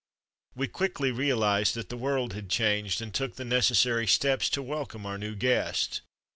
We quickly realised that the world had changed, and took the necessary steps to welcome our new guest.